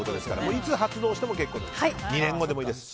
いつ発動しても結構です。